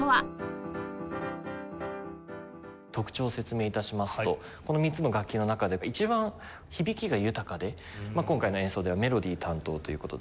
特徴を説明致しますとこの３つの楽器の中で一番響きが豊かで今回の演奏ではメロディ担当という事で。